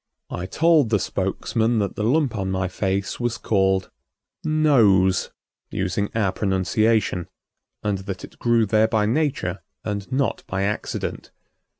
I told the spokesman that the lump on my face was called "nose," using our pronunciation, and that it grew there by nature and not by accident.